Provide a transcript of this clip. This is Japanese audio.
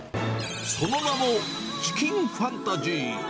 その名もチキンファンタジー。